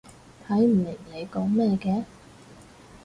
睇唔明你講咩嘅